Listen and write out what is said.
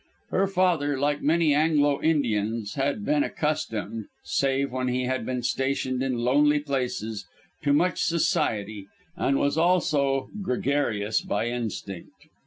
Her father, like many Anglo Indians, had been accustomed, save when he had been stationed in lonely places, to much society, and was also gregarious by instinct.